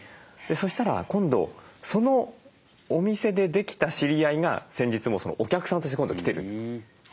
そしたら今度そのお店でできた知り合いが先日もお客さんとして今度来てる。